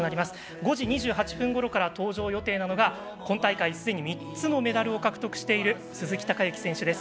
５時２８分ごろから登場予定なのが今大会すでに３つのメダルを獲得している鈴木孝幸選手です。